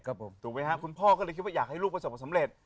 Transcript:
ครับผมถูกไหมฮะคุณพ่อก็เลยคิดว่าอยากให้รูปประสบสำเร็จ